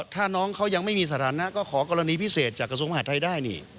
ถ้าน้องเขายังไม่มีสถานะก็ขอกรณีพิเศษจากกระทรวงมหาดไทยได้นี่